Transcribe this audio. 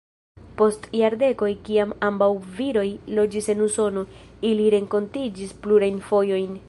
Post jardekoj kiam ambaŭ viroj loĝis en Usono, ili renkontiĝis plurajn fojojn.